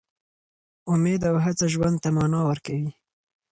امید او هڅه ژوند ته مانا ورکوي.